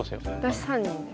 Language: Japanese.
私３人です。